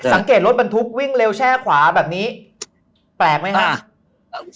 รถบรรทุกวิ่งเร็วแช่ขวาแบบนี้แปลกไหมครับ